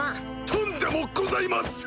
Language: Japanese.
とんでもございません！